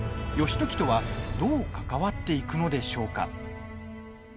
義時とはどう関わっていくのでしょうか。